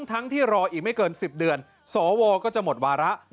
ทั้งที่รออีกไม่เกิน๑๐เดือนสวก็จะหมดวาระ